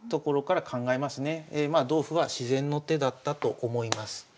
まあ同歩は自然の手だったと思います。